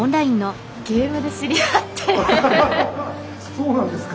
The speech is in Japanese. そうなんですか？